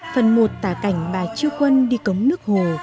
phần một tả cảnh bà chư quân đi cống nước hồ